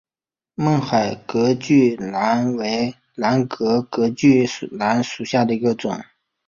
勐海隔距兰为兰科隔距兰属下的一个种。